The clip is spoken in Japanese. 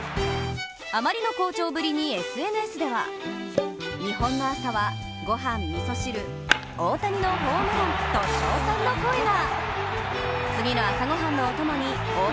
あまりの好調ぶりにＳＮＳでは日本の朝はごはん、みそ汁大谷のホームランと賞賛の声が。